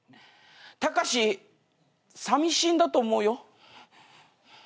タカシさみしいんだと思うよ。